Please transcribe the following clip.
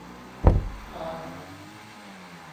ผ่าง !